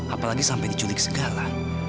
apalagi sampai diculik segala